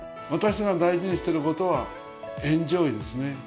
私が大事にしてることはエンジョイですね。